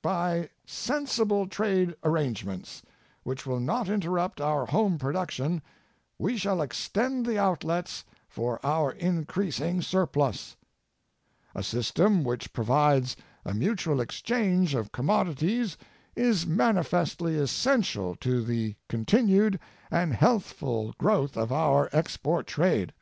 By sensible trade arrangements, which will not interrupt our home production, we shall extend the outlets for our increasing surplus. A system which Last Speech of William McKinley, 9 provides a mutual exchange of commodities is mani festly essential to the continued and healthful growth of our export trade.